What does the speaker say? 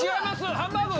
ハンバーグ！